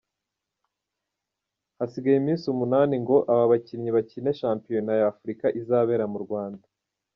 Hasigaye iminsi umunani ngo aba bakinnyi bakine shampiyona ya Afurika izabera mu Rwanda.